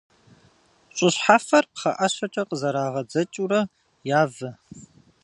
Щӏы щхьэфэр пхъэӏэщэкӏэ къызэрагъэдзэкӏыурэ явэ.